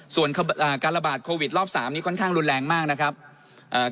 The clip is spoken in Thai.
ส่วนอ่าการระบาดโควิดรอบสามนี้ค่อนข้างรุนแรงมากนะครับเอ่อ